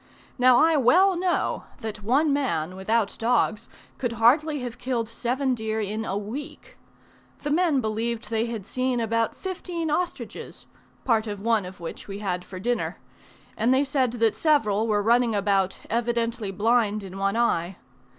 Now I well know, that one man without dogs could hardly have killed seven deer in a week. The men believed they had seen about fifteen ostriches (part of one of which we had for dinner); and they said that several were running about evidently blind in one eye.